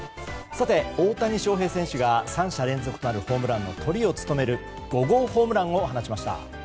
大谷翔平選手が３者連続となるホームランのトリを務める５号ホームランを放ちました。